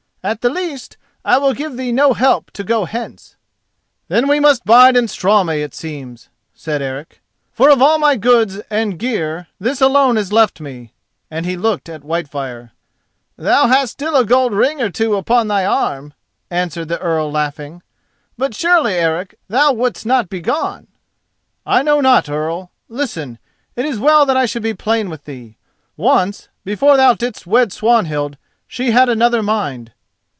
At the least, I will give thee no help to go hence." "Then we must bide in Straumey, it seems," said Eric: "for of all my goods and gear this alone is left me," and he looked at Whitefire. "Thou hast still a gold ring or two upon thy arm," answered the Earl, laughing. "But surely, Eric, thou wouldst not begone?" "I know not, Earl. Listen: it is well that I should be plain with thee. Once, before thou didst wed Swanhild, she had another mind."